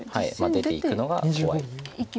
出ていくのが怖いです。